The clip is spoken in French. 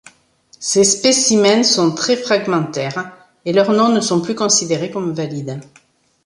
Ces spécimens sont très fragmentaires et leurs noms ne sont plus considérés comme valides.